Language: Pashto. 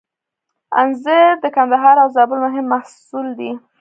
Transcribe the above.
انځر د کندهار او زابل مهم محصول دی